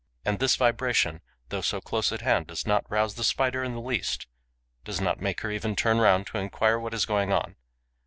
And this vibration, though so close at hand, does not rouse the Spider in the least, does not make her even turn round to enquire what is going on.